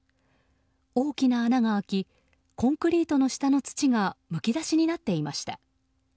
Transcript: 大きな穴が開きコンクリートの下の土がむき出しになっていました。